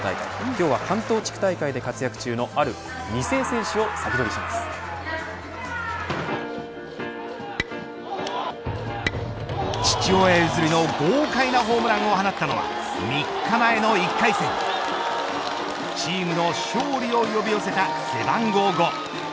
今日は関東地区大会で活躍中の父親譲りの豪快なホームランを放ったのは３日前の１回戦チームの勝利を呼び寄せた背番号５。